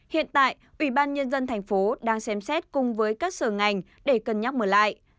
hiện tại ủy ban nhân dân thành phố đang xem xét cùng với các sở ngành để cân nhắc mở lại